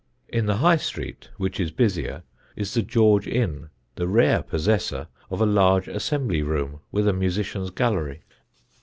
In the High Street, which is busier, is the George Inn, the rare possessor of a large assembly room with a musicians' gallery.